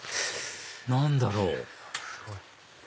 何だろう？